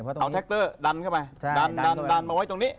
เอาแท็กเตอร์ดันเข้าไปดันมาไว้ตรงนี้